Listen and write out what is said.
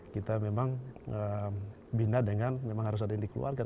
kita memang bina dengan memang harus ada yang dikeluarkan